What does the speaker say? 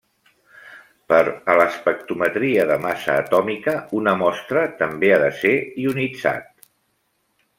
Per a l'espectrometria de massa atòmica, una mostra també ha de ser ionitzat.